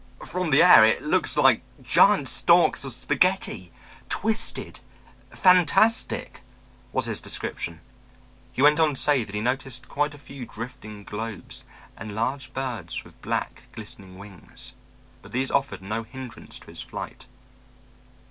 "From the air it looks like giant stalks of spaghetti, twisted, fantastic," was his description. He went on to say that he noticed quite a few drifting globes and large birds with black, glistening wings, but these offered no hindrance to his flight.